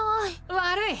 悪い。